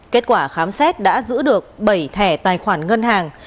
kết quả khám xét đã giữ được bảy thẻ tài khoản ngân hàng